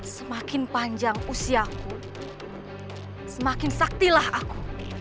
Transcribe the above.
semakin panjang usiaku semakin saktilah aku